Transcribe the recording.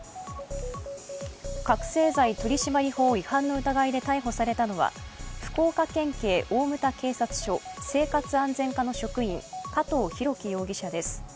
覚醒剤取締法違反の疑いで逮捕されたのは、福岡県警大牟田警察署生活安全課の職員、加藤大喜容疑者です。